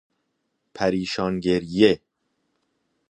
پریشان گریه